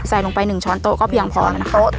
ใส่ลงไปหนึ่งช้อนโต๊ะก็เพียงพอนะคะหนึ่งช้อนโต๊ะ